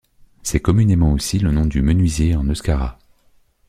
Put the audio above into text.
C'est communément aussi le nom du menuisier en euskara.